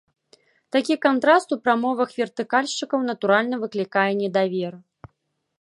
Такі кантраст у прамовах вертыкальшчыкаў, натуральна, выклікае недавер.